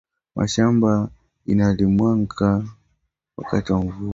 Mashamba ina rimiwaka wakati ya mvula